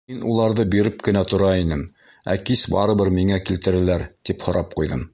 Мин уларҙы биреп кенә тора инем, ә кис барыбер миңә килтерәләр. — тип һорап ҡуйҙым.